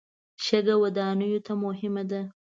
شګه ودانیو ته مهمه ده.